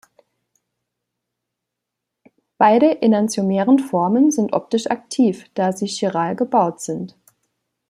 Beide enantiomeren Formen sind optisch aktiv, da sie chiral gebaut sind.